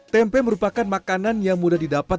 tempe merupakan makanan yang mudah didapat